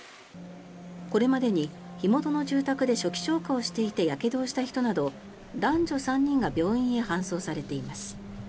これまでに火元の住宅で初期消火をしていてやけどをした人など男女３人が病院へ搬送されています。